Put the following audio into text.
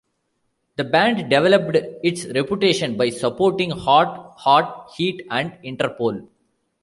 The band developed its reputation by supporting Hot Hot Heat and Interpol.